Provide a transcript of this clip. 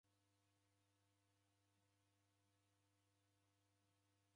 Wamola nakuvoya kuende W'oi